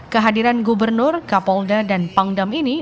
kehadiran gubernur kapolda dan pangdam ini